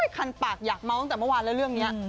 คันปากอยากเมาส์ตั้งแต่เมื่อวานแล้วเรื่องนี้